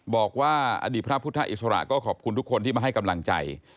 บอกว่าอดีตพระพุทธอิสระก็ขอบคุณทุกคนที่มาให้กำลังใจ